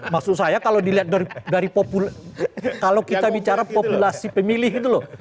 maksud saya kalau dilihat dari populasi pemilih gitu loh